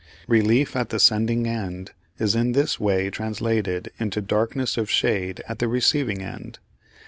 Relief at the sending end is in this way translated into darkness of shade at the receiving end.